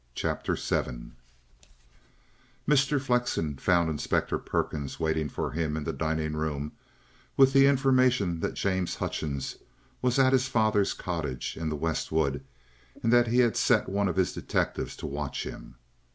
CHAPTER VII Mr. Flexen found Inspector Perkins waiting for him in the dining room with the information that James Hutchings was at his father's cottage in the West wood, and that he had set one of his detectives to watch him.